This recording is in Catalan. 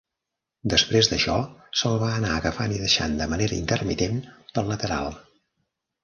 Després d'això, se'l va anar agafant i deixant de manera intermitent pel lateral.